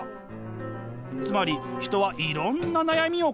つまり人はいろんな悩みを抱えているんです。